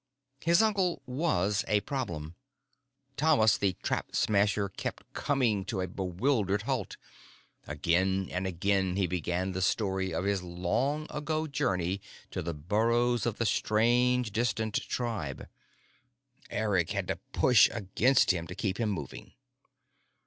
His uncle was a problem. Thomas the Trap Smasher kept coming to a bewildered halt. Again and again he began the story of his long ago journey to the burrows of the strange, distant tribe. Eric had to push against him to keep him moving.